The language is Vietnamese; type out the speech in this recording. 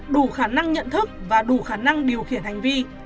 đủ khả năng nhận thức và đủ khả năng điều khiển hành vi